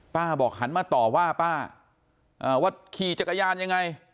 บอกหันมาต่อว่าป้าว่าขี่จักรยานยังไง